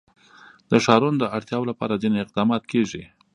د ښارونو د اړتیاوو لپاره ځینې اقدامات کېږي.